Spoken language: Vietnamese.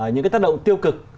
những cái tác động tiêu cực